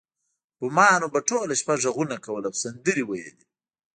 بومانو به ټوله شپه غږونه کول او سندرې ویلې